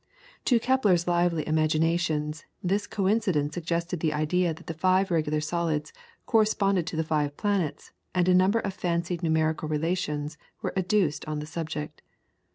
To Kepler's lively imaginations this coincidence suggested the idea that the five regular solids corresponded to the five planets, and a number of fancied numerical relations were adduced on the subject.